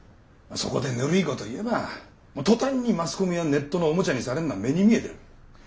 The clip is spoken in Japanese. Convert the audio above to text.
そこでぬるいこと言えば途端にマスコミやネットのおもちゃにされるのは目に見えてる。